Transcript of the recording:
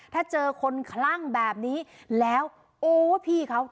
ถ้าเจอคนคลั่งแบบนี้แล้วโอ้พี่เขา